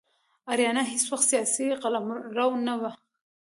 آریانا هیڅ وخت سیاسي قلمرو نه و.